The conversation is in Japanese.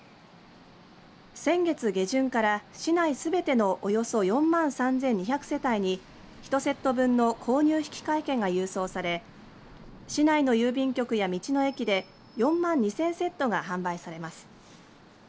先月下旬から市内すべてのおよそ４万３２００世帯に１セット分の購入引換券が郵送され市内の郵便局や道の駅で４万２０００セットが販売されます。